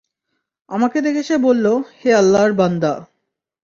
আমাকে দেখে সে বলল, হে আল্লাহর বান্দা!